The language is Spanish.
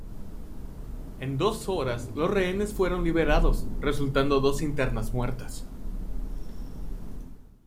En dos horas los rehenes fueron liberados, resultando dos internas muertas.